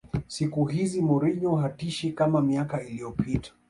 siku hizi mourinho hatishi kama miaka iliyopita